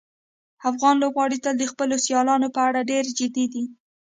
افغان لوبغاړي تل د خپلو سیالیو په اړه ډېر جدي دي.